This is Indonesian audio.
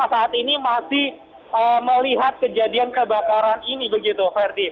saat ini masih melihat kejadian kebakaran ini begitu ferdi